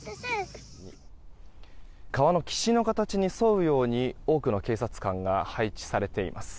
川の岸の形に添うように多くの警察官が配置されています。